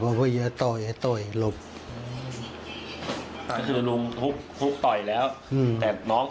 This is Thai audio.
ปว่าย้าต่อยลุบ